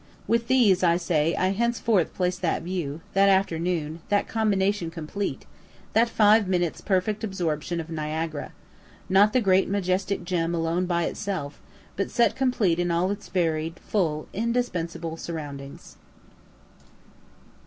With these, I say, I henceforth place that view, that afternoon, that combination complete, that five minutes' perfect absorption of Niagara not the great majestic gem alone by itself, but set complete in all its varied, full, indispensable surroundings.